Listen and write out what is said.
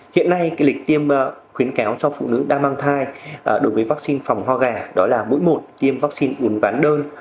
hiện nay lịch tiêm khuyến kéo cho phụ nữ đang mang thai đối với vaccine phòng hò gà đó là mũi một tiêm vaccine uốn ván đơn